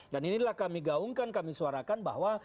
dan inilah kami gaungkan kami suarakan bahwa